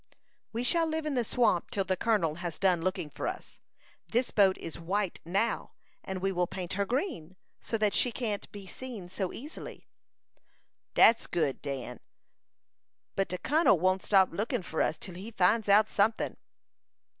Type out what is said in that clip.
"We shall live in the swamp till the colonel has done looking for us. This boat is white now, and we will paint her green, so that she can't be seen so easily." "Dat's good, Dan; but de kun'l won't stop lookin fur us till he finds out something."